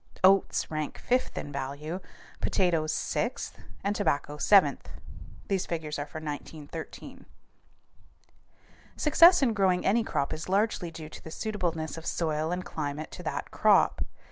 Oats rank fifth in value, potatoes sixth, and tobacco seventh. (These figures are for 1913.) Success in growing any crop is largely due to the suitableness of soil and climate to that crop.